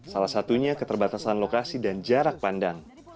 salah satunya keterbatasan lokasi dan jarak pandang